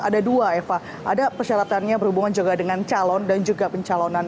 ada dua eva ada persyaratannya berhubungan juga dengan calon dan juga pencalonan